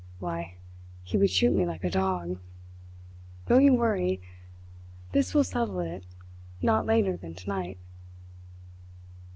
Why, he would shoot me like a dog! Don't you worry. This will settle it not later than tonight!"